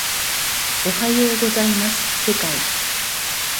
おはようございます世界